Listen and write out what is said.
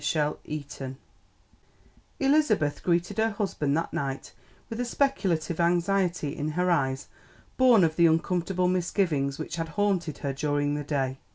CHAPTER X Elizabeth greeted her husband that night with a speculative anxiety in her eyes born of the uncomfortable misgivings which had haunted her during the day.